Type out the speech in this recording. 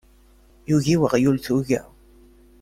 Yugi weɣyul tuga.